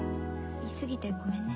言い過ぎてごめんね。